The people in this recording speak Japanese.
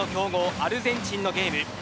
アルゼンチンのゲーム。